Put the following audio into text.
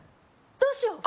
どうしよう